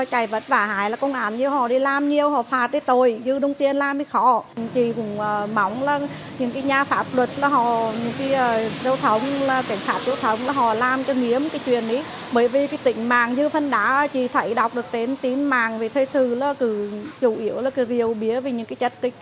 hãy đăng ký kênh để ủng hộ kênh của mình nhé